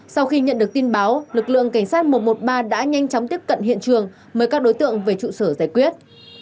sau khi nhận được tin báo lực lượng cảnh sát một trăm một mươi ba đã nhanh chóng tiếp cận hiện trường mời các đối tượng về trụ sở giải quyết